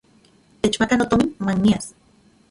Techmaka notomin uan nias.